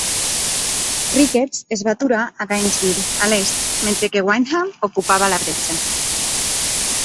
Ricketts es va aturar a Gainesville, a l'est, mentre que Wyndham ocupava la bretxa.